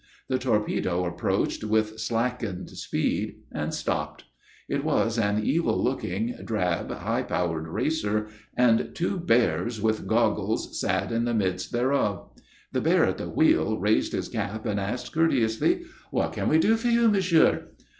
The torpedo approached with slackened speed, and stopped. It was an evil looking, drab, high powered racer, and two bears with goggles sat in the midst thereof. The bear at the wheel raised his cap and asked courteously: "What can we do for you, monsieur?"